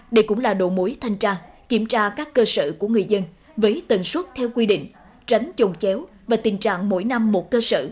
đây cũng là đầu mối thanh tra kiểm tra các cơ sở của người dân với tần suất theo quy định tránh trồng chéo và tình trạng mỗi năm một cơ sở